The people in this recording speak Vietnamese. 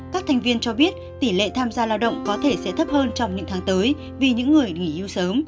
các thành viên cho biết tỷ lệ tham gia lao động có thể sẽ thấp hơn trong những tháng tới vì những người nghỉ hưu sớm